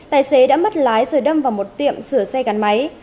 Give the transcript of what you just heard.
tài xế đã mất lái rồi đâm vào một tiệm sửa xe gắn máy